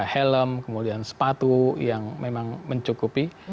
helm kemudian sepatu yang memang mencukupi